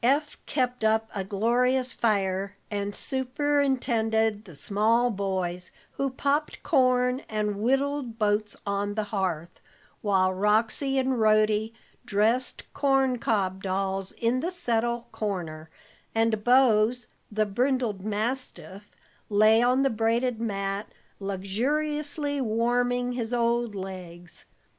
Eph kept up a glorious fire, and superintended the small boys, who popped corn and whittled boats on the hearth; while Roxy and Rhody dressed corn cob dolls in the settle corner, and Bose, the brindled mastiff, lay on the braided mat, luxuriously warming his old legs.